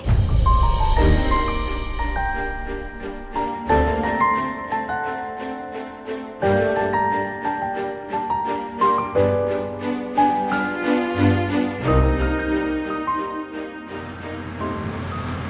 sampai jumpa lagi